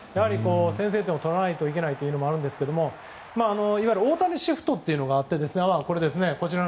先制点を取らないといけないというのがあるんですけど、いわゆる大谷シフトというのがあって。